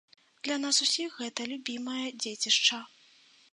Для нас усіх гэта любімае дзецішча.